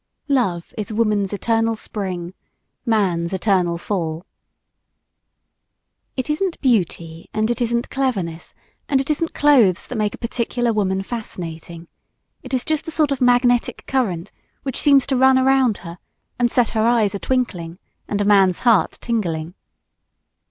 Love is woman's eternal spring, man's eternal fall. It isn't beauty, and it isn't cleverness, and it isn't clothes that make a particular woman fascinating. It is just a sort of magnetic current which seems to run around her and set her eyes a twinkling and a man's heart tingling.